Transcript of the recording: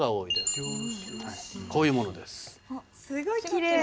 すごいきれい。